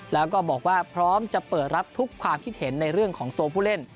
แล้วก็บอกว่าพร้อมจะเปิดรับทุกความคิดเห็นในเรื่องของตัวผู้เล่น